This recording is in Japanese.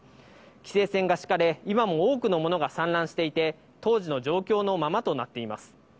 規制線が敷かれ、今も多くのものが散乱していて、当時の状況のままとなっています。